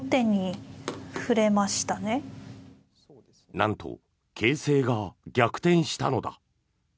なんと形勢が逆転したのだ。